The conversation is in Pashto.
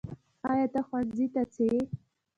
ایا ته ښؤونځي ته څې؟